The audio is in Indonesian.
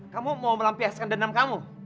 kamu mau melampiaskan dendam kamu